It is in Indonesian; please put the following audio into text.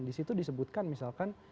di situ disebutkan misalkan